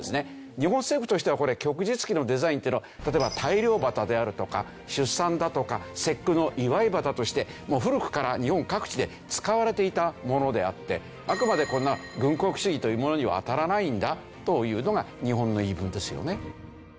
日本政府としてはこれ旭日旗のデザインというのは例えば大漁旗であるとか出産だとか節句の祝い旗として古くから日本各地で使われていたものであってあくまでこんな軍国主義というものには当たらないんだというのが日本の言い分ですよね。